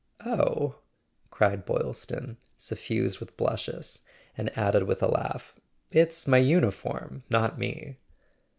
"Oh " cried Boylston, suffused with blushes; and added with a laugh: "It's my uniform, not me."